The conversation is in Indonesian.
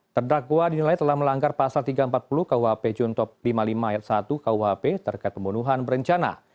terdakwa dinilai telah melanggar pasal tiga ratus empat puluh kuhp juntop lima puluh lima ayat satu kuhp terkait pembunuhan berencana